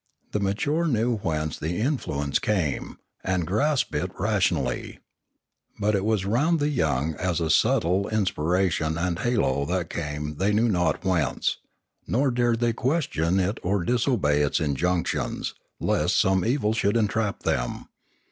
The mature knew whence the influence came, and grasped it ration ally. But it was round the young as a subtle inspira tion and halo that came they knew not whence; nor dared they question it or disobey its injunctions, lest some evil should entrap them.